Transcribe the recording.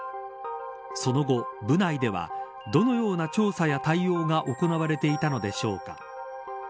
その後、部内ではどのような調査や対応が行われていたのでしょうか。